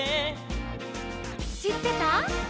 「しってた？」